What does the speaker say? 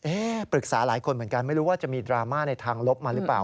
ปรึกษาหลายคนเหมือนกันไม่รู้ว่าจะมีดราม่าในทางลบมาหรือเปล่า